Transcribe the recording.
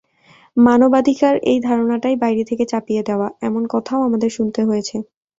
মানবাধিকার—এই ধারণাটাই বাইরে থেকে চাপিয়ে দেওয়া, এমন কথাও আমাদের শুনতে হয়েছে।